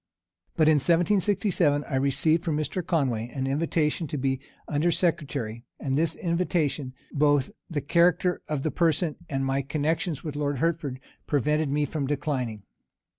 But in 1767, I received from Mr. Conway an invitation to be under secretary; and this invitation, both the character of the person, and my connections with Lord Hertford, prevented me from declining.